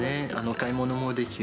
買い物もできる。